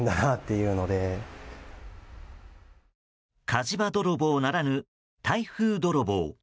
火事場泥棒ならぬ台風泥棒。